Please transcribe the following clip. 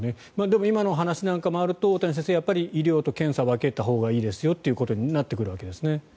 今のお話なんかもあると医療と検査を分けたほうがいいですよということになってくるわけですね。